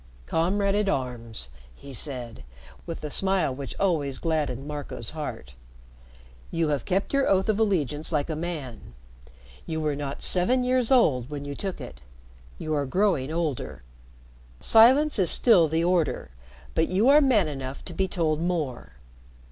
"Comrade at arms," he said, with the smile which always gladdened Marco's heart, "you have kept your oath of allegiance like a man. You were not seven years old when you took it. You are growing older. Silence is still the order, but you are man enough to be told more."